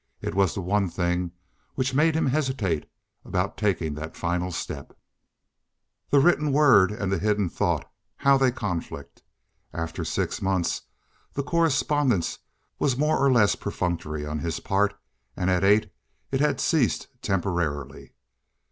It was the one thing which made him hesitate about taking that final step. The written word and the hidden thought—how they conflict! After six months the correspondence was more or less perfunctory on his part, and at eight it had ceased temporarily.